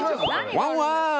ワンワーン！